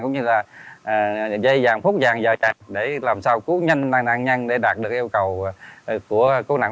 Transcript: cũng như là dây vàng phút vàng dài vàng để làm sao cứu nhanh nặng nhanh để đạt được yêu cầu của cố nặng